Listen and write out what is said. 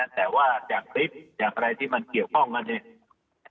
แต่ว่าจากคลิปจากอะไรที่มันเกี่ยวข้องกันเนี่ย